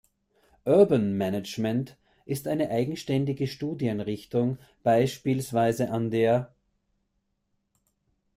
Urban Management ist eine eigenständige Studienrichtung, beispielsweise an der